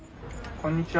こんにちは。